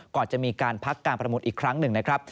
ก่อนจะมีการพักการประมูลอีกครั้งหนึ่งนะครับ